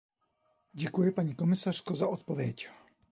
Děkuji paní komisařko za odpověď.